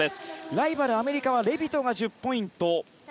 ライバル、アメリカはレビトが１０ポイント。